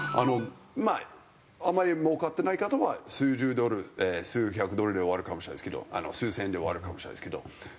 まああまりもうかってない方は数十ドル数百ドルで終わるかもしれないですけど数千円で終わるかもしれないですけど。